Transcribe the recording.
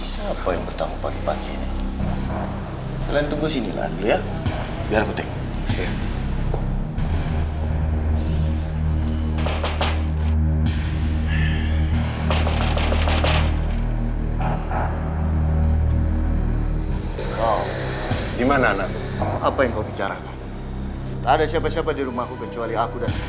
sampai jumpa di video selanjutnya